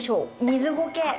水ごけ！